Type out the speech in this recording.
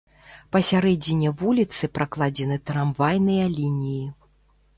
Па сярэдзіне вуліцы пракладзены трамвайныя лініі.